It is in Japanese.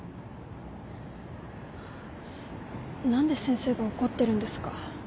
何で先生が怒ってるんですか。